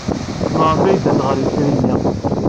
Maɣef ay ddant ɣer yifri-nni?